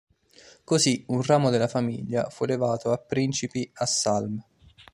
Così un ramo della famiglia fu elevato a principi a Salm.